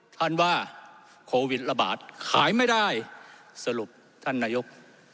ท่านว่าโควิดระบาดขายไม่ได้สรุปท่านนายก